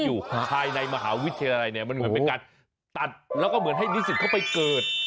อยู่ภายในมหาวิทยาลัยเนี่ยมันเหมือนเป็นการตัดแล้วก็เหมือนให้นิสิตเข้าไปเกิด